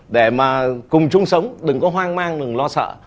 để mà cùng chung sống đừng có hoang mang đừng lo sợ